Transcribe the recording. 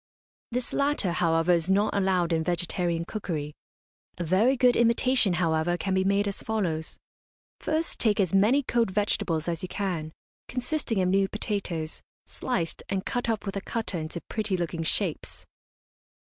This latter, however, is not allowed in vegetarian cookery. A very good imitation, however, can be made as follows: First take as many cold vegetables as you can, consisting of new potatoes, sliced, and cut up with a cutter into pretty looking shapes.